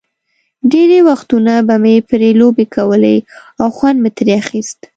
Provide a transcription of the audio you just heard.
ډېری وختونه به مې پرې لوبې کولې او خوند مې ترې اخیست.